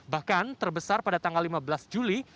bahkan terbesar pada tanggal lima belas juli